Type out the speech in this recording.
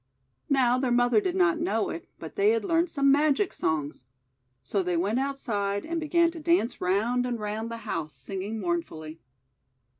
Now their mother did not know it, but they had learned some magic songs. So they went outside, and began to dance round and round the house, singing mournfully.